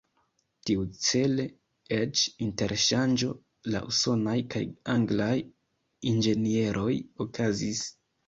Tiucele eĉ interŝanĝo da usonaj kaj anglaj inĝenieroj okazis.